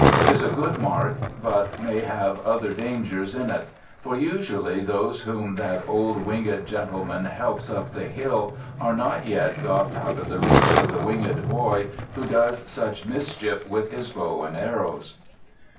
'Tis a good mark, but may have other dangers in it ; for usually those whom that old winged gentleman helps up the hill are not yet got out of the reach of the winged boy who does such mischief with his bow and arrows.'